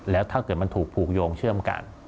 แล้วถ้าเกิดมันถูกผูกโยงเชื่อมกัน